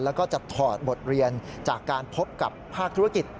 แล้วก็จะถอดบทเรียนจากการพบกับภาคธุรกิจ